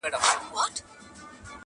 ته په څه منډي وهې موړ يې له ځانه!.